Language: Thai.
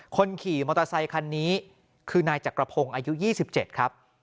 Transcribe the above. คนขี่มอเตอร์ไซคันนี้คือนายจักรพงศ์อายุ๒๗ครับ